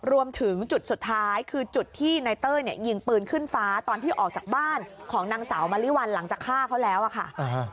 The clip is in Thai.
รวมถึงจุดสุดท้ายคือจุดที่นายเต้ยเนี่ยยิงปืนขึ้นฟ้าตอนที่ออกจากบ้านของนางสาวมะลิวัลหลังจากฆ่าเขาแล้วอะค่ะ